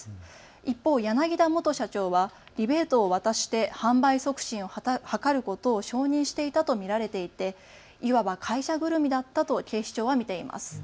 一方、柳田元社長はリベートを渡して販売促進を図ることを承認していたと見られていていわば会社ぐるみだったと警視庁は見ています。